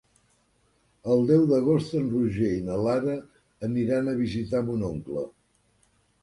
El deu d'agost en Roger i na Lara aniran a visitar mon oncle.